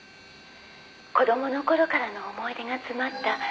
「子供の頃からの思い出が詰まった」「」